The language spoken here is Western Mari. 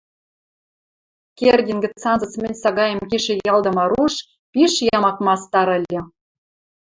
Кердин гӹц анзыц мӹнь сагаэм кишӹ ялдымы руш пиш ямак мастар ыльы.